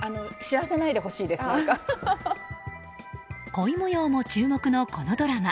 恋模様も注目のこのドラマ。